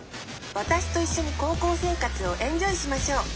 私と一緒に高校生活をｅｎｊｏｙしましょう！